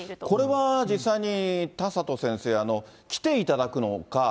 これは実際に田里先生、来ていただくのか